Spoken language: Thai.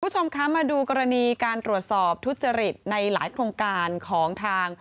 คุณผู้ชมคะมาดูกรณีการตรวจสอบทุจริตในหลายโครงการของทาง